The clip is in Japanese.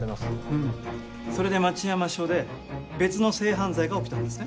うんそれで町山署で別の性犯罪が起きたんですね？